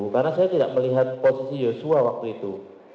karena saya tidak melihat posisi joshua waktu itu